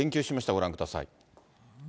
ご覧ください。